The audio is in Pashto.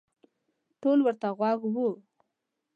ټول ورته غوږ وو.